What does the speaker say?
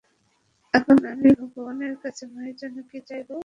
এখন আমি ভগবানের কাছে মায়ের জন্য কি চাইবো?